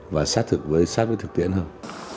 và sát thực với thực tiễn hơn